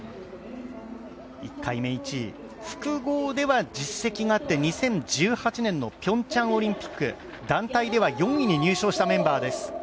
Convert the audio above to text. １回目１位、複合では実績があって２０１８年のピョンチャンオリンピック、団体では４位に入賞したメンバーです。